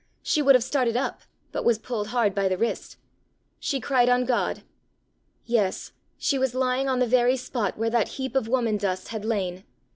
She would have started up, but was pulled hard by the wrist! She cried on God. Yes, she was lying on the very spot where that heap of woman dust had lain!